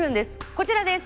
こちらです。